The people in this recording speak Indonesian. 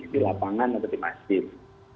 di lapangan atau di masjid